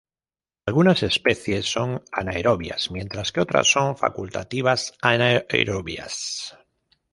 Algunas especies son anaerobias, mientras que otras son facultativas anaerobias.